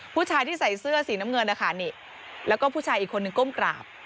ผู้ชายที่ใส่เสื้อสีน้ำเงินนะคะนี่แล้วก็ผู้ชายอีกคนนึงก้มกราบ